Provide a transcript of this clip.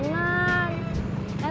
gak tau neng